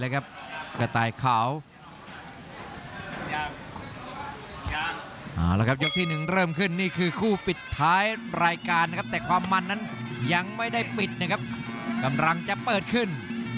เอาละครับยกที่๑เริ่มขึ้นนี่คือคู่ปิดท้ายรายการนะครับแต่ความมันนั้นยังไม่ได้ปิดนะครับกำลังจะเปิดขึ้น